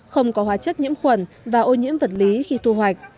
không có hóa chất nhiễm khuẩn và ô nhiễm vật lý khi thu hoạch